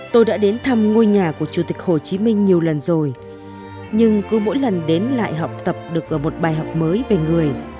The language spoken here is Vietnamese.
tôi đã đến thăm ngôi nhà của chủ tịch hồ chí minh nhiều lần rồi nhưng cứ mỗi lần đến lại học tập được ở một bài học mới về người